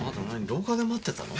廊下で待ってたの？